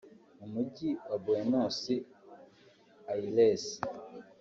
mu mujyi wa Buenos Aires